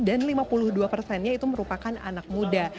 dan lima puluh dua nya itu merupakan anak muda